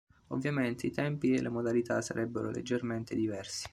Ovviamente i tempi e le modalità sarebbero leggermente diversi.